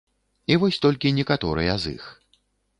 І вось толькі некаторыя з іх.